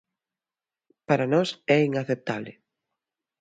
Para nós é inaceptable.